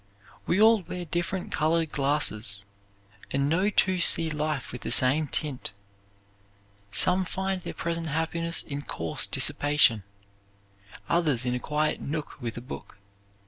We all wear different colored glasses and no two see life with the same tint. Some find their present happiness in coarse dissipation; others in a quiet nook with a book.